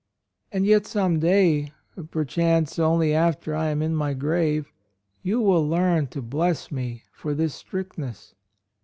And yet some day — perchance only after I am in my grave — you will learn to bless me for this strictness."